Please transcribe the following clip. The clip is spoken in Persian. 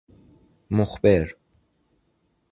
مخبر